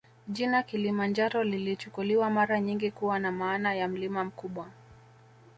Jina Kilima Njaro lilichukuliwa mara nyingi kuwa na maana ya mlima mkubwa